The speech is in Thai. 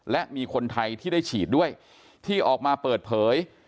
และมีคนไทยที่ได้ฉีดด้วยที่ออกมาเปิดเผย